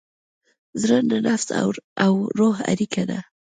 زړه د نفس او روح اړیکه ده.